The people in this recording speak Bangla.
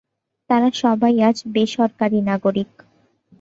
তারা সবাই আজ বেসরকারী নাগরিক।